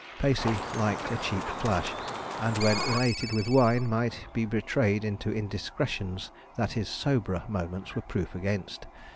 Pacey liked a cheap flash, and when elated with wine might be betrayed into indiscretions that his soberer moments were proof against.